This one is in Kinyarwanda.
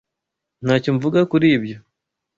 Ntacyo mvuga kuri ibyo.